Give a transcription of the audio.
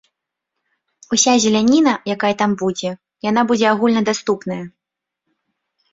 Уся зеляніна, якая там будзе, яна будзе агульнадаступная.